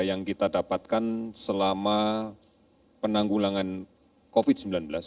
yang kita dapatkan selama penanggulangan covid sembilan belas